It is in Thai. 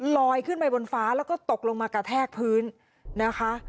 ลอยขึ้นไปบนฟ้าแล้วก็ตกลงมากระแทกพื้นนะคะ